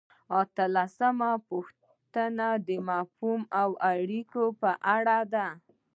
اتلسمه پوښتنه د مفاهمې او اړیکو په اړه ده.